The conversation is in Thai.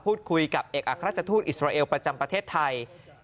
พูดคุยกับเอกอัครราชทูตอิสราเอลประจำประเทศไทย